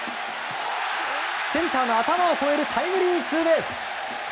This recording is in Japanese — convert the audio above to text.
センターの頭を越えるタイムリーツーベース。